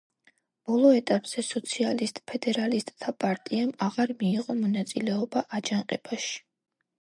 ბოლო ეტაპზე სოციალისტ-ფედერალისტთა პარტიამ აღარ მიიღო მონაწილეობა აჯანყებაში.